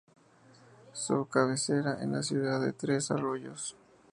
Su cabecera es la ciudad de Tres Arroyos.